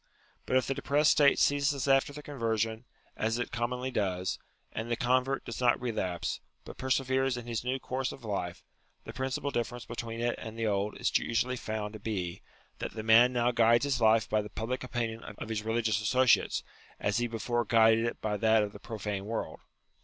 But if the depressed state ceases 94 UTILITY OF RELIGION after the conversion, as it commonly does, and the convert does not relapse, but perseveres in his new course of life, the principal difference between it and the old is usually found to be, that the man now guides his life by the public opinion of his religious associates, as he before guided it by that of the pro fane world.